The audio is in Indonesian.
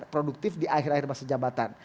produktif di akhir akhir masa jabatan